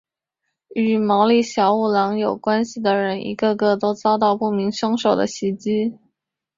与毛利小五郎有关系的人一个个都遭到不明凶手的袭击。